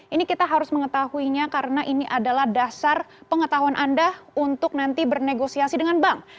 ini kita harus mengetahuinya karena ini adalah dasar pengetahuan anda untuk nanti bernegosiasi dengan bank